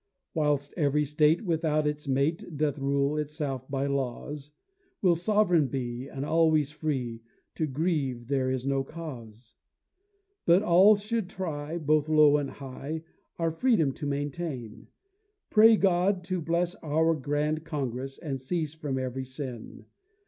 Whilst every State, without its mate, Doth rule itself by laws, Will sovereign be, and always free; To grieve there is no cause. But all should try, both low and high, Our freedom to maintain; Pray God to bless our grand Congress, And cease from every sin.